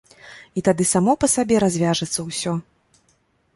І тады само па сабе развяжацца ўсё.